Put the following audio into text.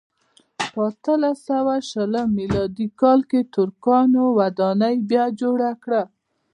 په اتلس سوه شلم میلادي کال ترکانو ودانۍ بیا جوړه کړه.